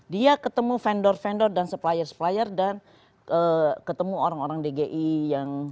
dia ketemu vendor vendor dan supplier supplier dan ketemu orang orang dgi yang